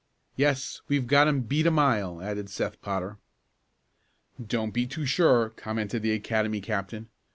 "Yes, we've got 'em beat a mile," added Seth Potter. "Don't be too sure," commented the Academy captain.